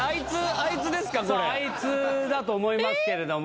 あいつだと思いますけれども。